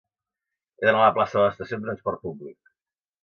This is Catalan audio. He d'anar a la plaça de l'Estació amb trasport públic.